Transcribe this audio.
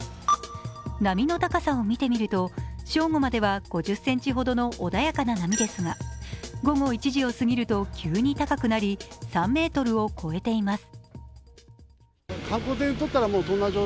波の高さを見てみると正午までは５０ｃｍほどの穏やかな波ですが午後１時を過ぎると、急に高くなり３ｍを超えています。